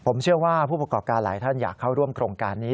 ผมเชื่อว่าผู้ประกอบการหลายท่านอยากเข้าร่วมโครงการนี้